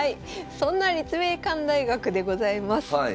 そんな立命館大学でございます。